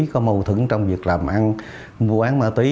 có mâu thửng trong việc làm ăn mua bán ma túy